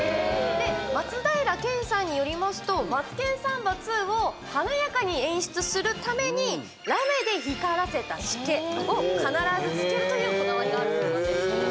松平健さんによりますと「マツケンサンバ２」を華やかに演出するためにラメで光らせたシケを必ずつけるというこだわりがあるそうです。